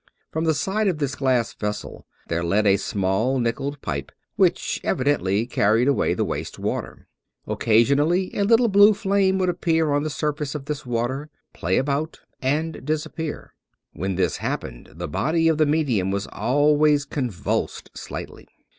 From the side of this glass vessel there led a small nickeled pipe which evidently carried away the waste water. Occasionally a little blue flame would appear on the sur face of this water, play about, and disappear. When this happened the body of the medium was always convulsed slightly.